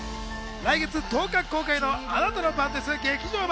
来月１０日公開の『あなたの番です劇場版』。